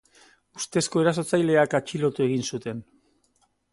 Ustezko erasotzaileak atxilotu egin zuten.